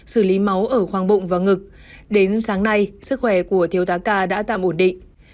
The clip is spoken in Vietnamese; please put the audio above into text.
xử lý máu ở khoang bụng và ngực đến sáng nay sức khỏe của thiếu tá ca đã tạm ổn định